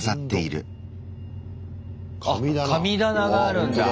あっ神棚があるんだ。